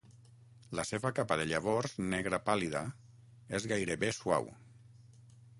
La seva capa de llavors negra pàl·lida és gairebé suau.